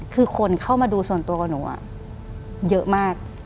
คือคนเข้ามาดูส่วนตัวกับหนูเยอะมาก